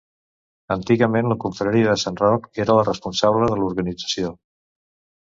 Antigament la confraria de Sant Roc era la responsable de l'organització.